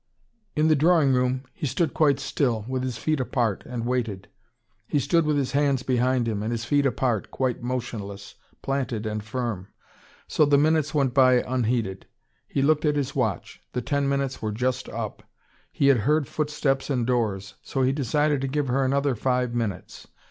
In the drawing room he stood quite still, with his feet apart, and waited. He stood with his hands behind him, and his feet apart, quite motionless, planted and firm. So the minutes went by unheeded. He looked at his watch. The ten minutes were just up. He had heard footsteps and doors. So he decided to give her another five minutes.